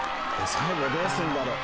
最後どうすんだろ？